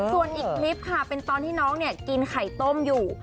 ส่วนอีกคลิปค่ะเป็นตอนที่น้องเนี่ยกินไข่ต้มอยู่